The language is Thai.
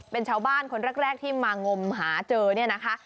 เป็นชาวบ้านคนแรกที่มางมหาเจอเนี่ยนะคะ